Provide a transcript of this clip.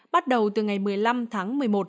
bắt đầu từ ngày một mươi năm tháng một mươi một